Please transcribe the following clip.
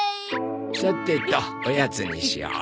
さてとおやつにしよう。